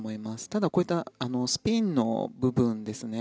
ただ、こういったスピンの部分ですね。